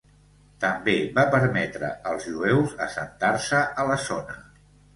També va permetre als jueus assentar-se a la zona.